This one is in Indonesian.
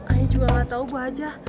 ayah juga gatau gua aja